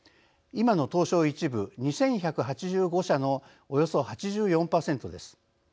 今の東証１部、２１８５社のおよそ８４％です。